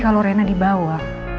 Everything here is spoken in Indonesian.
kalau rina dibawa